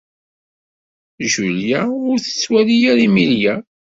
Julia ur la tettwali ara Emilia.